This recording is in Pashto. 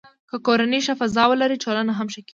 که کورنۍ ښه فضا ولري، ټولنه هم ښه کېږي.